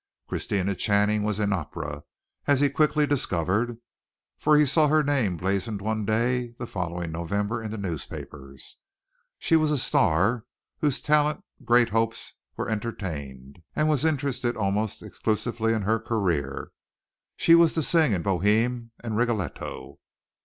Christina Channing was in opera, as he quickly discovered, for he saw her name blazoned one day the following November in the newspapers. She was a star of whose talent great hopes were entertained, and was interested almost exclusively in her career. She was to sing in "Bohème" and "Rigoletto."